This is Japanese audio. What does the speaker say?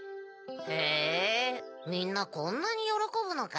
へぇみんなこんなによろこぶのか。